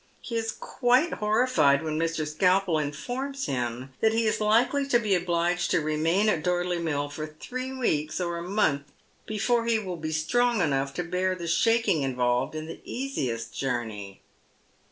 He is quite homlied when Mr. Skalpel infoiTOs him that he is likely to be obliged to remain at Porlcy Mill for three weeks or a month before he will be strong enough to bear the shaking involved in the easiest journey.